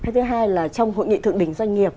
thứ hai là trong hội nghị thượng đỉnh doanh nghiệp